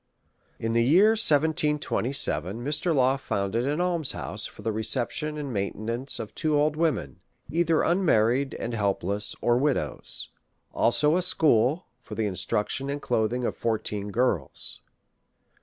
In the year 1727 Mr. Law founded an alms house for the reception and maintenance of two old women, either unmarried and helpless, or widows ; also a school, for the instruction and clothing of fourteen girls.